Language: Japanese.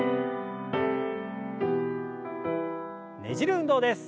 ねじる運動です。